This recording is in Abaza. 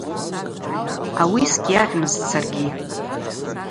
Ауи сгьйагъьмызтӏ саргьи.